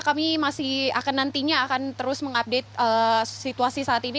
kami nantinya akan terus mengupdate situasi saat ini